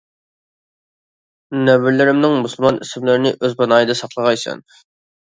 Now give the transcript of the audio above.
نەۋرىلىرىمنىڭ مۇسۇلمان ئىسىملىرىنى ئۆز پاناھىدا ساقلىغايسەن!